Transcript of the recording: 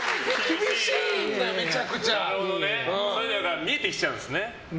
そういうのが見えてきちゃうんですね。